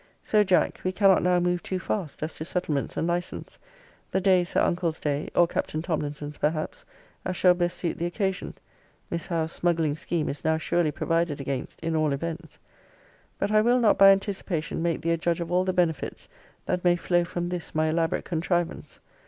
So, Jack, we cannot now move too fast, as to settlements and license: the day is her uncle's day, or Captain Tomlinson's, perhaps, as shall best suit the occasion. Miss Howe's smuggling scheme is now surely provided against in all events. But I will not by anticipation make thee a judge of all the benefits that may flow from this my elaborate contrivance.